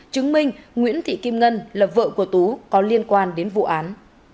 chứng minh nguyễn thị kim ngân là vợ của tú có liên quan đến vụ án